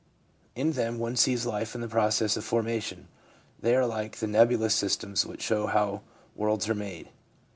In them one sees life in the process of formation ; they are like the nebulous systems which show how worlds are made.